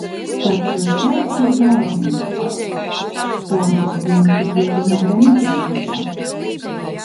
Taču šeit ir vēl viens dvorfs, kuru viņa tik viegli nevarēs noķert lamatās!